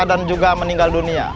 dan juga meninggal dunia